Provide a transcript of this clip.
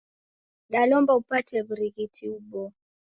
Dalomba upate w'urighiti uboo.